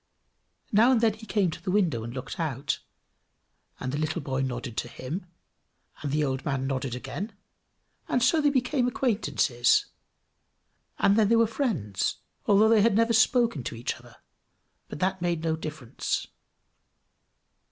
Now and then he came to the window and looked out, and the little boy nodded to him, and the old man nodded again, and so they became acquaintances, and then they were friends, although they had never spoken to each other but that made no difference.